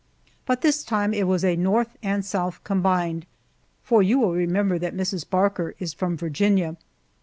But this time it was North and South combined, for you will remember that Mrs. Barker is from Virginia.